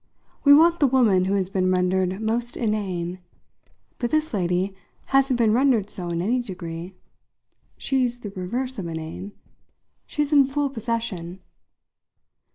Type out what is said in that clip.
We want the woman who has been rendered most inane. But this lady hasn't been rendered so in any degree. She's the reverse of inane. She's in full possession."